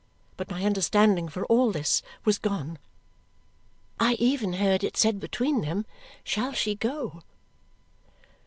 But my understanding for all this was gone. I even heard it said between them, "Shall she go?"